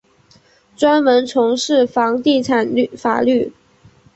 专门从事房地产法律。